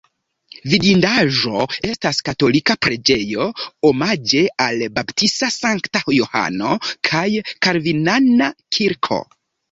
Vidindaĵo estas katolika preĝejo omaĝe al Baptista Sankta Johano kaj kalvinana kirko.